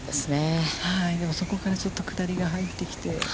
でも、そこからちょっと下りが入ってきて。